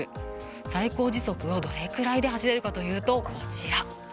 最高時速をどれぐらいで走れるかというとこちら。